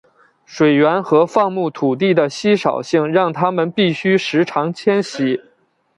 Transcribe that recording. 水源和放牧土地的稀少性让他们必须时常迁徙。